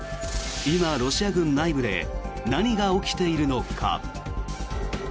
今、ロシア軍内部で何が起きているのか。